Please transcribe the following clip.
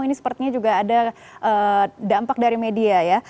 ini sepertinya juga ada dampak dari media ya